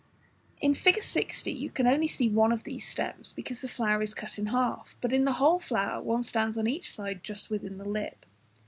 In 1, Fig. 60, you only see one of these stems, because the flower is cut in half, but in the whole flower, one stands on each side just within the lip.